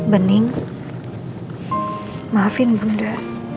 bening maafin bunda